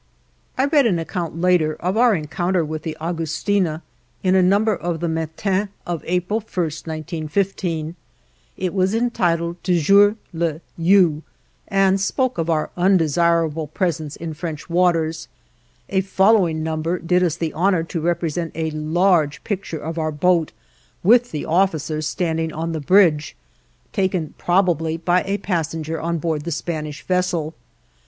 I read an account later of our encounter with the "Agustina" in a number of the Matin of April 1, 1915. It was entitled "Toujours l'U" and spoke of our undesirable presence in French waters; a following number did us the honor to represent a large picture of our boat with the officers standing on the bridge, taken probably by a passenger on board the Spanish vessel.